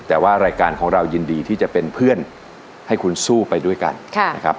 แต่ว่ารายการของเรายินดีที่จะเป็นเพื่อนให้คุณสู้ไปด้วยกันนะครับ